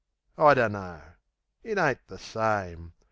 I dunno. It ain't the same.